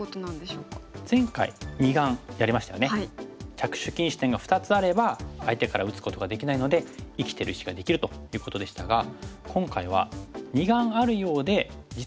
着手禁止点が２つあれば相手から打つことができないので生きてる石ができるということでしたが今回は二眼あるようで実は偽物の眼。